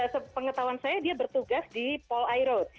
pada pengetahuan saya dia bertugas di pol airut